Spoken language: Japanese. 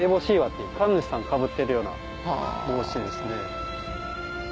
神主さんがかぶってるような帽子ですね。